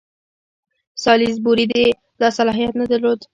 سالیزبوري دا صلاحیت نه درلود.